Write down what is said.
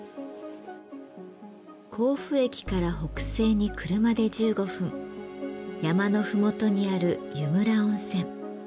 甲府駅から北西に車で１５分山の麓にある湯村温泉。